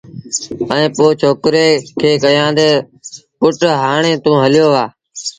ائيٚݩ پو ڇوڪري کي ڪهيآݩدي تا پُٽ هآڻي توݩ هليو وهآ